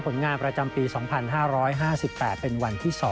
ผลงานประจำปี๒๕๕๘เป็นวันที่๒